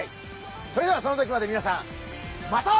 それではその時までみなさんまた！